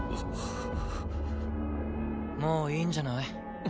もういいんじゃない？